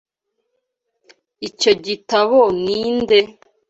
Icyo gitabo ni nde?